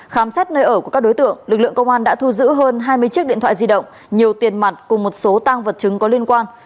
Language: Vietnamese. khám xét nơi ở của các đối tượng lực lượng công an đã thu giữ hơn hai mươi chiếc điện thoại di động nhiều tiền mặt cùng một số tăng vật chứng có liên quan